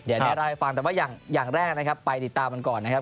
เดี๋ยวนี้เล่าให้ฟังแต่ว่าอย่างแรกนะครับไปติดตามมันก่อนนะครับ